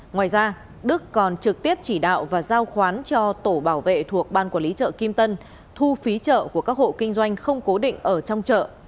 ngoài ra đức còn trực tiếp chỉ đạo và giao khoán cho tổ bảo vệ thuộc ban quản lý chợ kim tân thu phí chợ của các hộ kinh doanh không cố định ở trong chợ